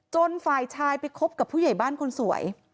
ฝ่ายชายไปคบกับผู้ใหญ่บ้านคนสวย